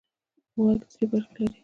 غوږ درې برخې لري.